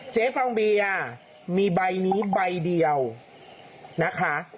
ฟองเบียร์มีใบนี้ใบเดียวนะคะ